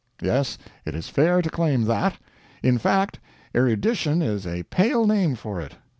Yes, it is fair to claim that. In fact, erudition is a pale name for it.